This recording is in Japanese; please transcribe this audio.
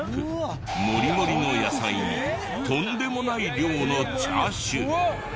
盛り盛りの野菜にとんでもない量のチャーシュー。